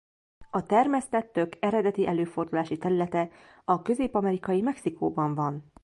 A termesztett tök eredeti előfordulási területe a közép-amerikai Mexikóban van.